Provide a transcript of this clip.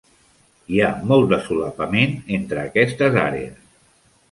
Hi ha molt de solapament entre aquestes àrees.